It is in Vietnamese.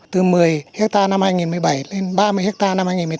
từ một mươi hectare năm hai nghìn một mươi bảy lên ba mươi hectare năm hai nghìn một mươi tám